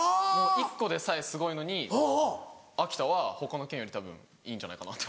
１個でさえすごいのに秋田は他の県よりたぶんいいんじゃないかなと。